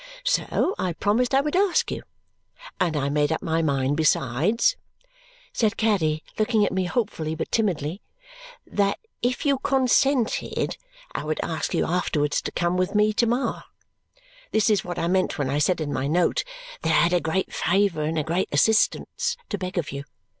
So I promised I would ask you. And I made up my mind, besides," said Caddy, looking at me hopefully but timidly, "that if you consented, I would ask you afterwards to come with me to Ma. This is what I meant when I said in my note that I had a great favour and a great assistance to beg of you.